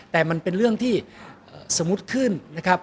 แต่มันเป็นเรื่องที่สมมุติขึ้นนะครับ